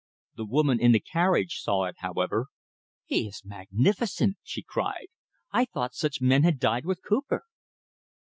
The woman in the carriage saw it, however. "He is magnificent!" she cried. "I thought such men had died with Cooper!"